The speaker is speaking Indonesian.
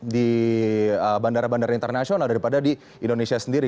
di bandara bandara internasional daripada di indonesia sendiri